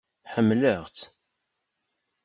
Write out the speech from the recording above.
Ḥemmleɣ-tt!